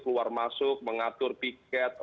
keluar masuk mengatur piket